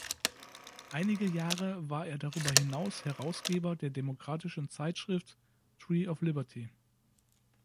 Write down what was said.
Einige Jahre war er darüber hinaus Herausgeber der demokratischen Zeitschrift ""Tree of Liberty"".